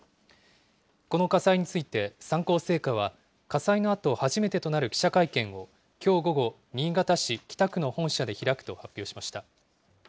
この火災について、三幸製菓は、火災のあと初めてとなる記者会見をきょう午後、新潟市北区の本社で開くと発表しました。